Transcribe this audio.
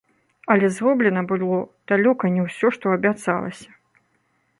Але зроблена было далёка не ўсё, што абяцалася.